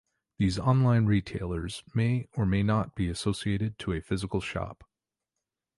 These online retailers may or may not be associated to a physical shop.